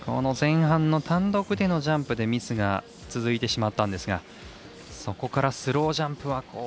前半の単独でのジャンプでミスが続いてしまったんですがそこからスロージャンプは。